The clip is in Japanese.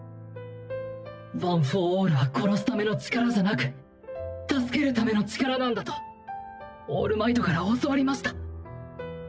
ワン・フォー・オールは殺す為の力じゃなく救ける為の力なんだとオールマイトから教わりました。